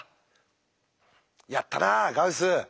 やったなあガウス！